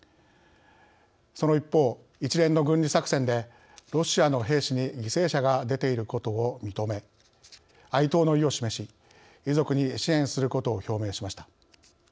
その一方、一連の軍事作戦でロシアの兵士に犠牲者が出ていることを認め哀悼の意を示し遺族に支援することを表明しました。